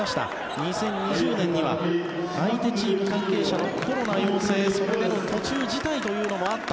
２０２０年には相手チーム関係者のコロナ陽性それでの途中辞退というのもあった。